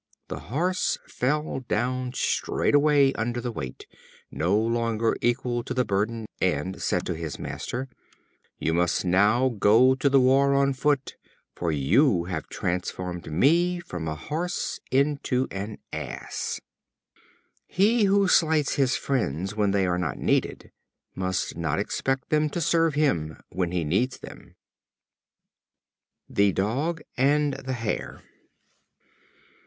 The Horse fell down straightway under the weight, no longer equal to the burden, and said to his master: "You must now e'en go to the war on foot, for you have transformed me from a Horse into an Ass." He who slights his friends when they are not needed must not expect them to serve him when he needs them. The Dog and the Hare.